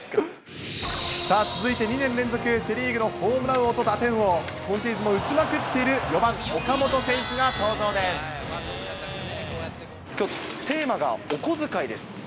続いて、２年連続セ・リーグのホームラン王と打点王、今シーズンも打ちまくっている４番岡本選手が登場です。